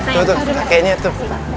tuh tuh tuh